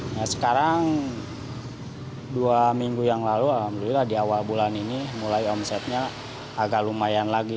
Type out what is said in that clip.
nah sekarang dua minggu yang lalu alhamdulillah di awal bulan ini mulai omsetnya agak lumayan lagi